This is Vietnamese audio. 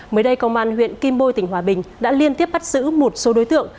mới đây công an huyện kim bôi tỉnh hòa bình đã liên tiếp bắt giữ một số đối tượng